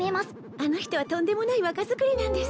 あの人はとんでもない若作りなんです